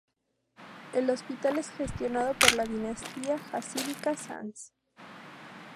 El hospital es gestionado por la dinastía jasídica Sanz.